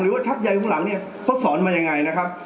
ว่าชักใยข้างหลังเนี่ยเขาสอนมายังไงนะครับ